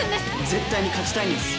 絶対に勝ちたいんです。